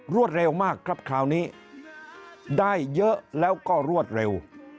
รวดเร็วมากครับคราวนี้ได้เยอะแล้วก็รวดเร็ว